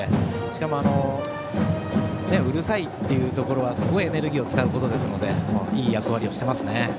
しかも、うるさいということはすごいエネルギーを使うことなのでいい役割をしていますね。